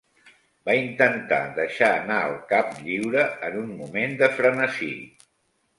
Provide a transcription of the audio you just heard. Va intentar deixar anar el cap lliure en un moment de frenesí.